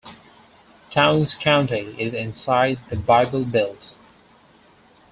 Towns County is inside the Bible Belt.